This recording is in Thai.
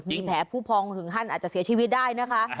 มีแผลผู้พองถึงขั้นอาจจะเสียชีวิตได้นะคะ